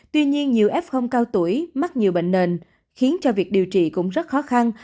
tuy nhiên nhiều f cao tuổi mắc nhiều bệnh nền khiến cho việc điều trị cũng rất khó khăn